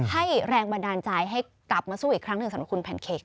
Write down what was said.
ให้แรงบันดาลใจให้กลับมาสู้อีกครั้งหนึ่งสำหรับคุณแพนเค้ก